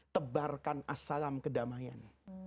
tebarkan asalam kedamaian